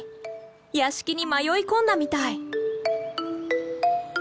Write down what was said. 屋敷に迷い込んだみたい。